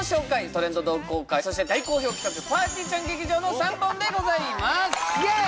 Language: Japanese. トレンド同好会そして大好評企画ぱーてぃーちゃん劇場の３本でございますイエイ！